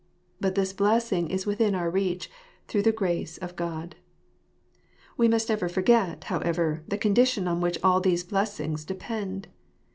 But this blessing is within our reach, through the grace of God. We must never forget, however, the condition on which all these blessings depend.